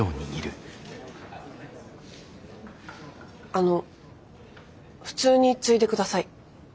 あの普通についで下さい。